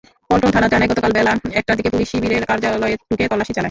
পল্টন থানা জানায়, গতকাল বেলা একটার দিকে পুলিশ শিবিরের কার্যালয়ে ঢুকে তল্লাশি চালায়।